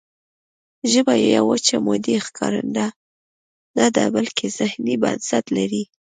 ژبه یوه وچه مادي ښکارنده نه ده بلکې ذهني بنسټ لري